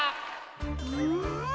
うん。